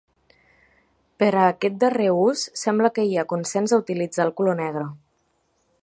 Per a aquest darrer ús sembla que hi ha consens a utilitzar el color negre.